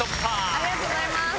ありがとうございます。